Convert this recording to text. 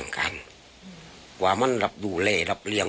เอาไว้ื้อเล่นลายดอก